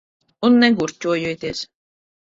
Un negurķojieties.